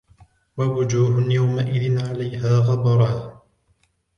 ووجوه يومئذ عليها غبرة